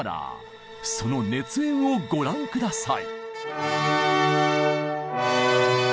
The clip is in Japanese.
その熱演をご覧下さい。